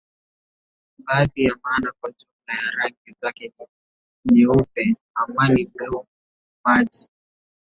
baadhi ya maana kwa jumla ya rangi zake ni nyeupe amani bluu maji